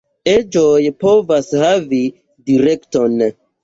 Eĝoj povas havi direkton.